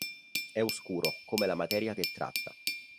È oscuro come la materia che tratta.